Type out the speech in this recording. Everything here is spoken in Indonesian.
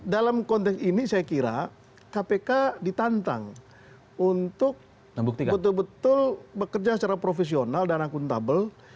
dalam konteks ini saya kira kpk ditantang untuk betul betul bekerja secara profesional dan akuntabel